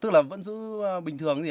tức là vẫn giữ bình thường gì anh